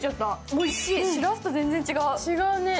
おいしい、しらすと全然違う。